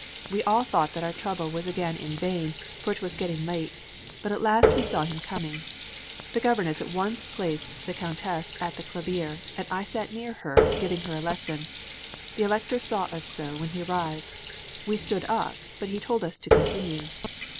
We all thought that our trouble was again in vain, for it was getting late; but at last we saw him coming. The governess at once placed the Countess at the clavier, and I sat near her, giving her a lesson: the Elector saw us so when he entered. We stood up, but he told us to continue.